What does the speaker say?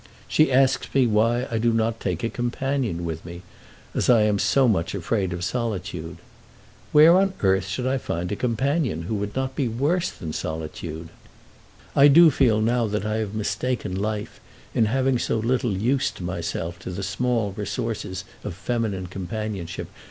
She asks me why I do not take a companion with me, as I am so much afraid of solitude. Where on earth should I find a companion who would not be worse than solitude? I do feel now that I have mistaken life in having so little used myself to the small resources of feminine companionship.